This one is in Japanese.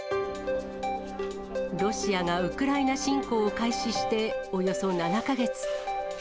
ロシアがウクライナ侵攻を開始して、およそ７か月。